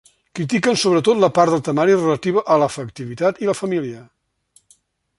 Critiquen sobretot la part del temari relativa a l'afectivitat i la família.